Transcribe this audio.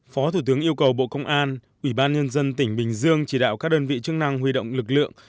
phó thủ tướng yêu cầu bộ công an ủy ban nhân dân tỉnh bình dương chỉ đạo các đơn vị chức năng huy động lực lượng